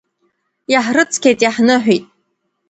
Иаҳрыцқьеит, иаҳныҳәеит.